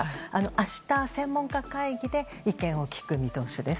明日、専門家会議で意見を聞く見通しです。